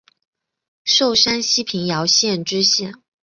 授山西平遥县知县。